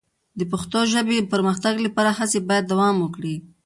د پښتو ژبې د پرمختګ لپاره هڅې باید دوام وکړي.